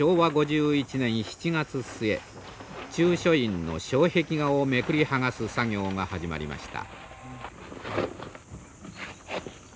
中書院の障壁画をめくり剥がす作業が始まりました。